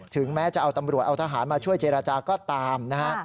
ถึงแม้จะเอาตำรวจเอาทหารมาช่วยเจรจาก็ตามนะฮะ